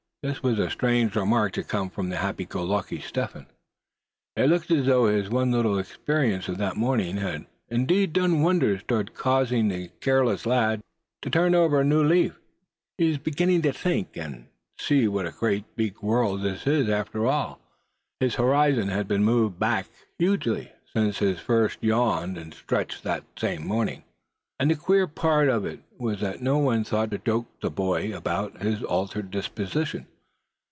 This was a strange remark to come from the happy go lucky Step Hen. It looked as though his one little experience of that morning had indeed done wonders toward causing the careless lad to turn over a new leaf. He was beginning to think, and see what a great big world this is after all. His horizon had been moved back hugely since he first yawned, and stretched, that same morning. And the queer part of it was that no one thought to joke the boy about his altered disposition.